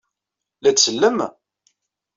La d-sellem?